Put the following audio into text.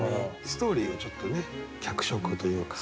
ストーリーをちょっとね脚色というか。